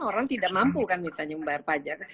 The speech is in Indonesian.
orang tidak mampu kan misalnya membayar pajak